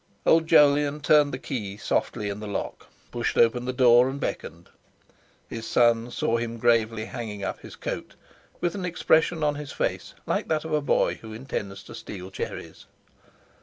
Old Jolyon turned the key softly in the lock, pushed open the door, and beckoned. His son saw him gravely hanging up his coat, with an expression on his face like that of a boy who intends to steal cherries.